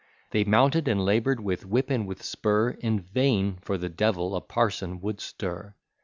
They mounted and labour'd with whip and with spur In vain for the devil a parson would stir.